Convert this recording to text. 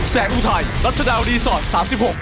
แสงฟ้าไทยรัชดาวรีสอร์ท๓๖